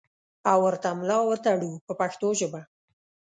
او ورته ملا وتړو په پښتو ژبه.